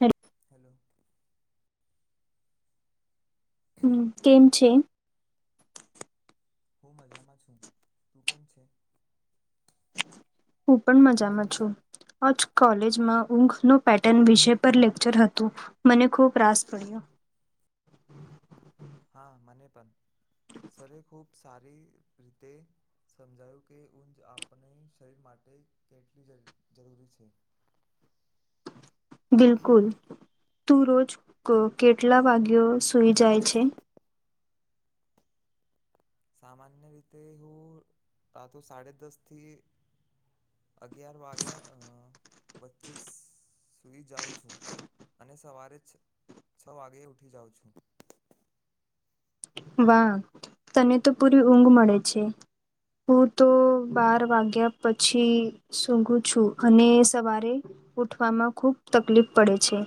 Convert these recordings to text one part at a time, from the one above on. હે. હેલો. હમ્મ કેમ છે. હું મજામાં છું તું કેમ છે? હું પણ મજામાં છું. આજ કોલેજમાં ઊંઘ નું પેટર્ન વિષય પર લેક્ચર હતું. મને ખુબ રાસ પડ્યો. હા મને પણ સરે ખૂબ સારી રીતે સમજાયું કે ઊંચ આપણે શરીર માટે કેટલી જરૂરી છે. બિલકુલ તું રોજ કેટલા વાગ્યો સુઈ જાય છે. સામાન્ય રીતે હું રાતો સાડ દસ થી અગયાર વાગ્યા વચ્ચે સુઈ જાઉં છું. અને સવારે છ છ વાગે ઉઠી જાઉં છું. વાહ તને તો પૂરી ઊંઘ મળે છે. હું તો બાર વાગ્યા પછી સૂઘું છું અને સવારે ઉઠવામાં ખુબ તકલીફ પડે છે.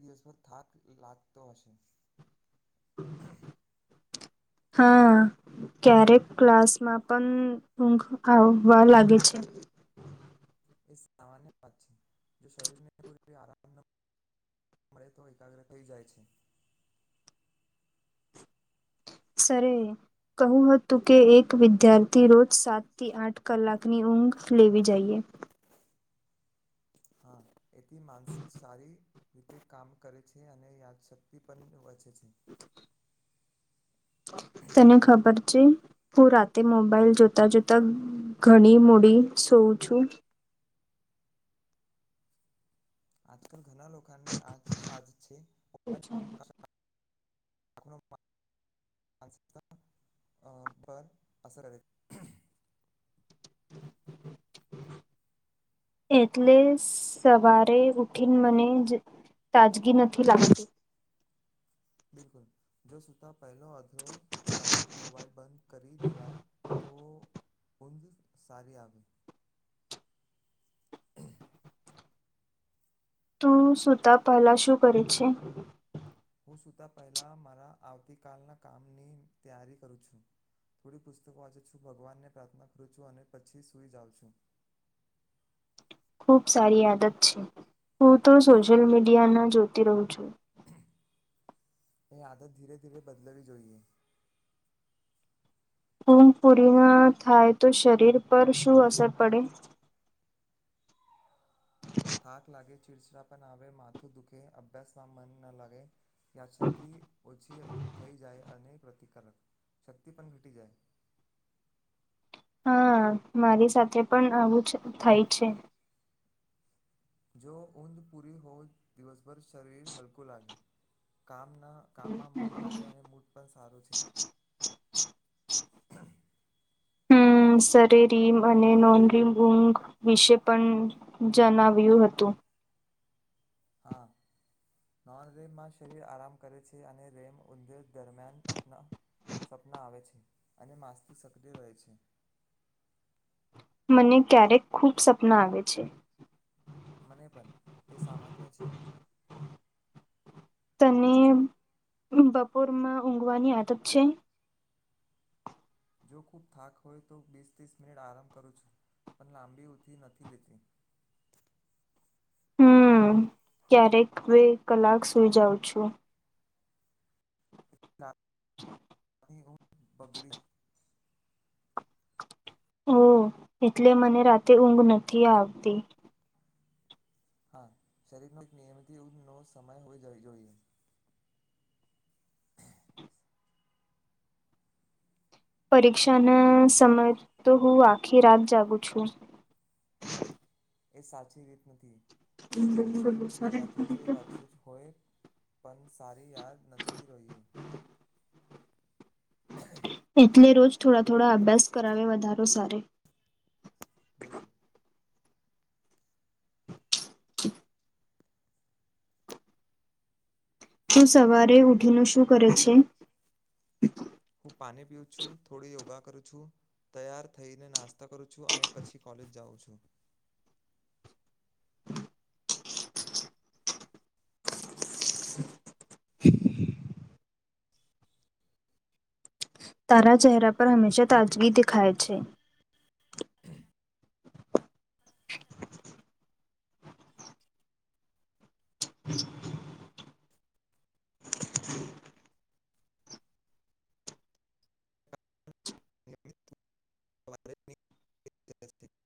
દિવસભર થાક લાગતો હશે. હા. ક્યારેક ક્લાસમાં પણ ઊઘ આવવા લાગે છે. એ સામાન્ય વાત છે જો શરીરને આરામ [unintelligible] મળે તો એકાગ્ર થઈ જાય છે. સરે કહું હતું કે, એક વિદ્યાર્થી રોજ સાત થી આઠ કલાકની ઊંઘ લેવી જઈએ. હા એથી માનસિક સારી રીતે કામ કરે છે, અને યાદશક્તિ પણ વચે છે. તને ખબર છે, હું રાતે મોબાઈલ જોતા જોતા ઘણી મૂડી સુવુ છું. આજકાલ ઘણા લોકોની આજ [unintelligible] છે [unintelligible] [unintelligible] [unintelligible] અ પર અસર [unintelligible] [inaudible] એટલે, સવારે ઉઠીને મને જ તાજગી નથી લાગતી. બિલકુલ જો સુ તાં પહેલો અધો કલાક મોબાઈલ બંધ કરી દેવાય, તો ઊંઘ સારી આવે. તું સૂતા પહેલાં શું કરે છે? હું સૂતાં પહેલાં, મારા આવતી કાલના કામની તૈયારી કરું છું. થોડી પુસ્તક વાંચું છું, ભગવાનને પ્રાર્થના કરું છું, અને પછી સુઈ જાઉં છું. ખુબ સારી આદત છે, હું તો સોશિયલ મીડિયાના જોતી રહું છું. એ આદત ધીરે ધીરે બદલવી જોઈએ. ઊઘ પૂરી ના થાય તો શરીર પર શું અસર પડે? થાક લાગે, ચીડચીડાપણ આવે, માથું દુખે, અભ્યાસમાં મન ના લાગે. યાદશક્તિ ઓછી થઈ જાય, અને પ્રતિકારક શક્તિ પણ ઘટી જાય. હા, મારી સાથે પણ આવુંજ થાય છે. જો ઊંદ પૂરી હોય, દિવસભર શરીર હલકું લાગે, કામના કામમાં મન લાગે, અને મૂડ પણ સારું છે. હમ્મ, શરીર ઇમ અને નોંધી ઊંઘ વિશે પણ જણાવ્યું હતું. હા નોન રેમમાં શરીર આરામ કરે છે, અને રેમ ઊંધેર દરમિયાન પતના સપના આવે છે, અને માસતી સક્રિય રહે છે. મને ક્યારેક ખુબ સપના આવે છે. મને પણ, એ સામાન્ય છે. તને બપોરમાં ઊંઘવાની આદત છે? જો ખૂબ થાક હોય તો બીસ ત્રીસ મિનિટ આરામ કરું છું, પણ લાંબી ઉથી નથી લેતી. હમ્મ, ક્યારેક બે કલાક સુઈ જાઉં છું. રા અહીં ઊંઘ બગડે. ઓ, એટલે મને રાતે ઊંઘ નથી આવતી. હા, શરીરનો એક નિયમિત ઊંઘ નો સમય હોવી જવી જોઈએ પરીક્ષા ના સમયે તો હું આખી રાત જાગુ છું. એ સાચી રીત નથી, ઓછી ઊંઘ લેવાથી જે વાંચ્યું હોય, પણ સારી યાદ નથી રહીએ. એટલે રોજ થોડા થોડા અભ્યાસ કરાવે વધારો સારે. બિલકુલ તું સવારે ઊઠીને શું કરે છે? હું પાણી પીઉ છું થોડી યોગા કરું છું. તૈયાર થઈને નાસ્તા કરું છું અને પછી કોલેજ જાઉં છું. તારા ચહેરા પર હંમેશા તાજગી દેખાય છે. [inaudible]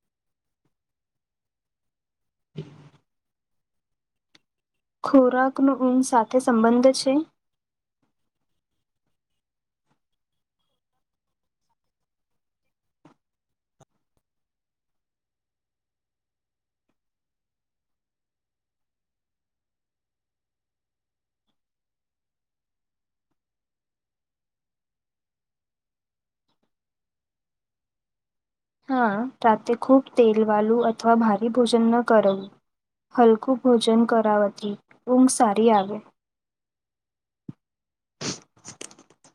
ખોરાકનો ઊધ સાથે સંબંધ છે. હા રાતે ખૂબ તેલ વાલું અથવા ભારે ભોજન ન કરવું. હલકું ભોજન કરાવતી ઊંઘ સારી આવે. [inaudible]